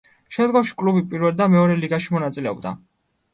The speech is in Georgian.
შემდგომში კლუბი პირველ და მეორე ლიგაში მონაწილეობდა.